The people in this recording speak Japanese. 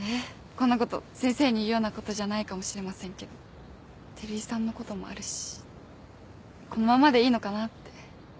こんなこと先生に言うようなことじゃないかもしれませんけど照井さんのこともあるしこのままでいいのかなって。